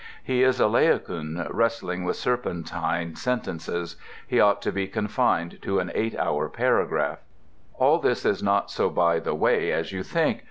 He is a Laocoon wrestling with serpentine sentences. He ought to be confined to an eight hour paragraph. All this is not so by the way as you think.